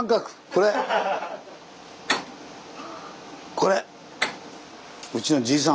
これ。